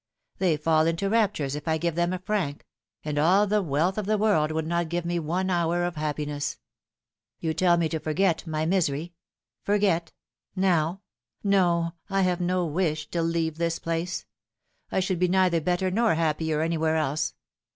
They fall into raptures if I give them a franc and all the wealth of the world would not give me one hour of happiness. You tell me to forget |my misery. Forget Liter a Scrip fa Manet. 383 now ! No, I have no wish to leave this place. I should be neither better nor happier anywhere else.